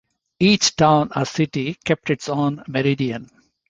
Each town or city kept its own meridian.